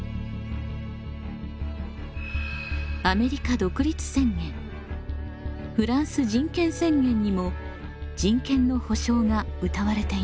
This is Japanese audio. アメリカ独立宣言フランス人権宣言にも人権の保障がうたわれています。